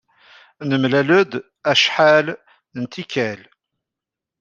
Nemlal-d acḥal n tikkal.